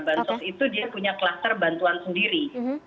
bansos itu dia punya kluster bantuan sendiri